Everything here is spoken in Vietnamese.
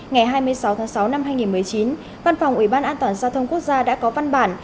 ngày hai mươi sáu tháng sáu năm hai nghìn một mươi chín văn phòng ủy ban an toàn giao thông quốc gia đã có văn bản